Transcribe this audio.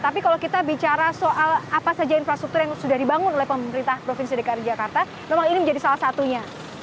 tapi kalau kita bicara soal apa saja infrastruktur yang sudah dibangun oleh pemerintah provinsi dki jakarta memang ini menjadi salah satunya